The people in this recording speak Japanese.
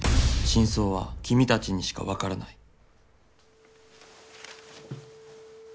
「真相は君たちにしかわからない」。